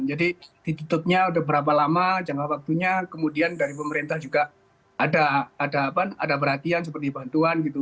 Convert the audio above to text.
jadi ditutupnya udah berapa lama jangka waktunya kemudian dari pemerintah juga ada perhatian seperti bantuan gitu